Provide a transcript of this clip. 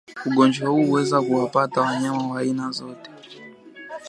Ugonjwa huu huweza kuwapata wanyama wa aina zote